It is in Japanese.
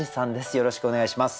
よろしくお願いします。